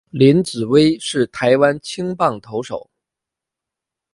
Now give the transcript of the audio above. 林子崴是台湾青棒投手。